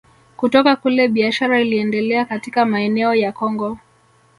Kutoka kule biashara iliendelea katika maeneo ya Kongo